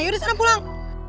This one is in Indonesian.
yaudah senang pulang